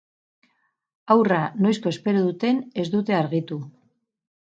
Haurra noizko espero duten ez dute argitu.